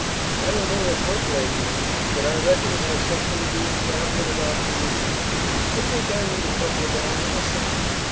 "I don't know what percolate means, but I reckon it has something to do with travelin' about through your system. I think I need a couple of gallons myself.